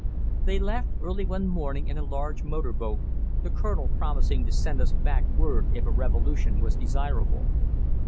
They left early one morning in a large motor boat, the colonel promising to send us back word if a revolution was desirable.